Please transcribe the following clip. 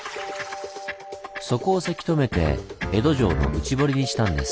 そこをせき止めて江戸城の内堀にしたんです。